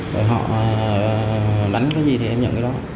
rồi họ đánh cái gì thì em nhận cái đó